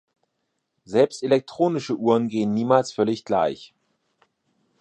Selbst elektronische Uhren gehen niemals völlig gleich.